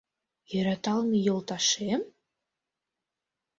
Йӧраталме йолташем?